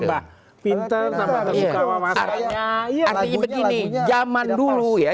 tapi ini begini jaman dulu ya